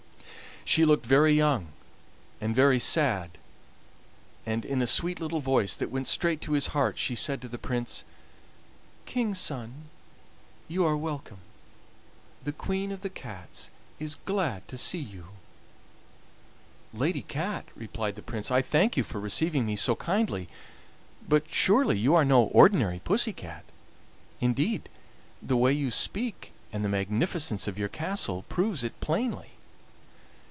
She looked very young and very sad, and in a sweet little voice that went straight to his heart she said to the Prince: "King's son, you are welcome; the Queen of the Cats is glad to see you." "Lady Cat," replied the Prince, "I thank you for receiving me so kindly, but surely you are no ordinary pussy cat? Indeed, the way you speak and the magnificence of your castle prove it plainly."